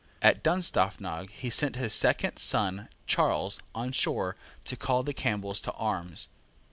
At Dunstaffnage he sent his second son Charles on Shore to call the Campbells to arms.